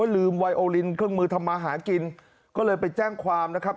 ลืมไวโอลินเครื่องมือทำมาหากินก็เลยไปแจ้งความนะครับ